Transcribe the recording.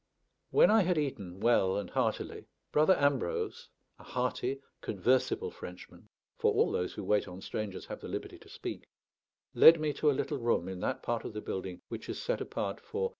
When I had eaten well and heartily, Brother Ambrose, a hearty conversible Frenchman (for all those who wait on strangers have the liberty to speak), led me to a little room in that part of the building which is set apart for _MM.